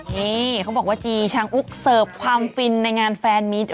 นี่เขาบอกว่าจีชังอุ๊กเสิร์ฟความฟินในงานแฟนมิตร